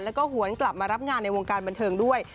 แล้วก็หวนกลับมารับงานในวงการบันเทิงด้วย